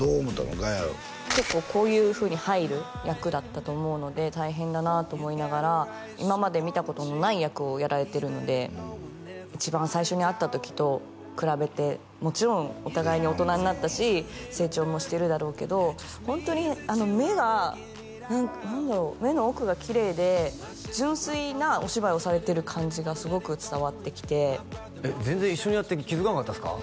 ガヤは結構こういうふうに入る役だったと思うので大変だなと思いながら今まで見たことのない役をやられてるので一番最初に会った時と比べてもちろんお互いに大人になったし成長もしてるだろうけどホントに目が何だろう目の奥がきれいで純粋なお芝居をされてる感じがすごく伝わってきてえっ全然一緒にやってて気づかなかったですか？